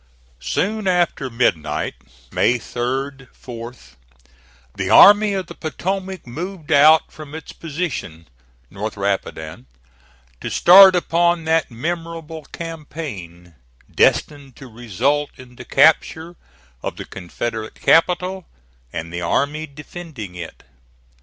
Soon after midnight, May 3d 4th, the Army of the Potomac moved out from its position north Rapidan, to start upon that memorable campaign, destined to result in the capture of the Confederate capital and the army defending it.